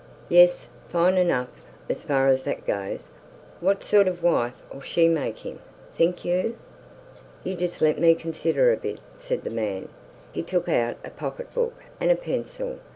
"Yes, fine enough, as far as that goes. What sort of a wife'll she make him, think you?" "You just let me consider a bit," said the man. He took out a pocket book and a pencil.